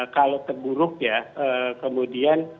kalau terburuk ya kemudian